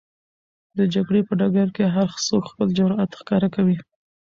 د جګړې په ډګر کې هر څوک خپل جرئت ښکاره کوي.